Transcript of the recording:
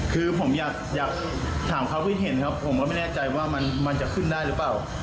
คือผมอยากถามความคิดเห็นครับผมก็ไม่แน่ใจว่ามันจะขึ้นได้หรือเปล่า